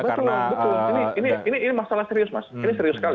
betul ini masalah serius mas ini serius sekali